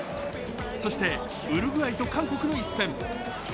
そしてウルグアイと韓国の一戦。